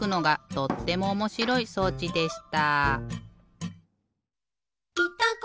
とってもおもしろい装置でした。